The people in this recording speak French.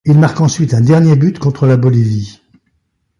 Il marque ensuite un dernier but contre la Bolivie.